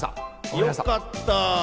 よかった。